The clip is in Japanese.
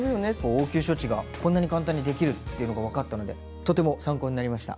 応急処置がこんなに簡単にできるっていうのが分かったのでとても参考になりました。